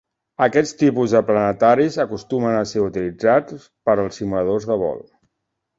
Aquest tipus de planetaris acostumen a ser utilitzats per als simuladors de vol.